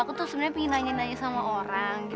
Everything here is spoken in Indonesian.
aku tuh sebenernya pingin nanya nanya sama orang